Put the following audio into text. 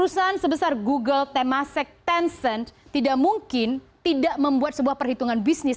perusahaan sebesar google temasek tencent tidak mungkin tidak membuat sebuah perhitungan bisnis